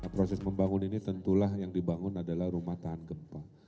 proses membangun ini tentulah yang dibangun adalah rumah tahan gempa